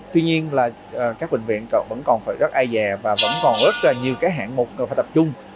tuy nhiên các bệnh viện vẫn còn rất ai dè và vẫn còn rất nhiều hạn mục phải tập trung